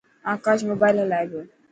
آڪاش موبائل هلائي پيو.